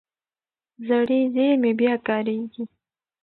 زړې زېرمې بیا کارېږي.